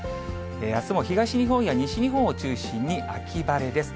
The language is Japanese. あすも東日本や西日本を中心に秋晴れです。